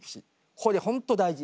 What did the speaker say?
これ本当大事。